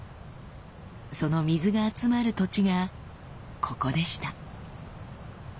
その水が集まる土地がここでした。